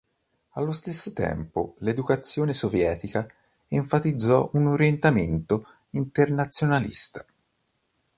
Allo stesso tempo, l'educazione sovietica enfatizzò un orientamento "internazionalista".